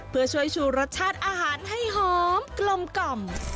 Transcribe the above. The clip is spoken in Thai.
เพื่อช่วยชูรสชาติอาหารให้หอมกลมกล่อม